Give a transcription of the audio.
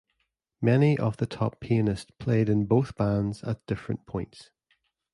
Many of the top pianists played in both bands at different points.